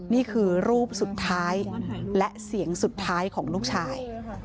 นี่คือรูปสุดท้ายและเสียงสุดท้ายของลูกชาย